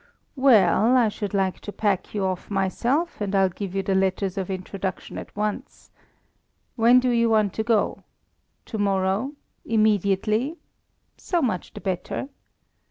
"Well, I should like to pack you off myself and I'll give you the letters of introduction at once. When do you want to go? To morrow! Immediately! So much the better.